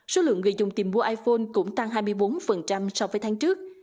số lượng người dùng tìm mua iphone cũng tăng hai mươi bốn so với tháng trước